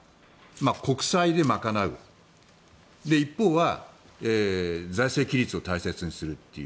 国債で賄う一方は財政規律を大切にするという。